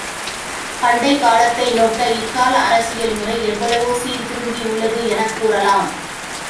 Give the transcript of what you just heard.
பண்டைக் காலத்தை நோக்க, இக்கால அரசியல் முறை எவ்வளவோ சீர்திருந்தியுள்ளது எனக் கூறலாம்.